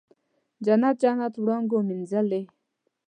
جنت، جنت وړانګو مینځلې